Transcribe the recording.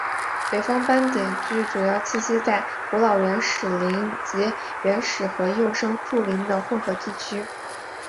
北方斑点鸮主要栖息在古老原始林及原始和幼生树林的混合地区。